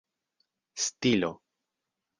stilo